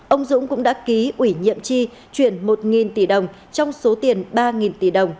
ông dũng cũng đã ký ủy nhiệm tri chuyển một tỷ đồng trong số tiền ba tỷ đồng